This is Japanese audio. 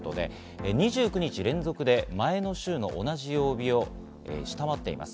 ２９日連続で前の週の同じ曜日を下回っています。